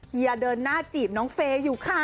เฮียเดินหน้าจีบน้องเฟย์อยู่ค่ะ